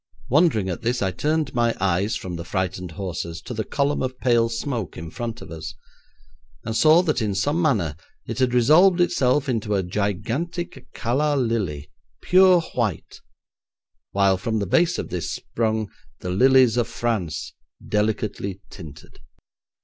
Wondering at this I turned my eyes from the frightened horses to the column of pale smoke in front of us, and saw that in some manner it had resolved itself into a gigantic calla lily, pure white, while from the base of this sprung the lilies of France, delicately tinted.